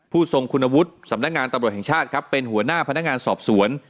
ทรงคุณวุฒิสำนักงานตำรวจแห่งชาติครับเป็นหัวหน้าพนักงานสอบสวน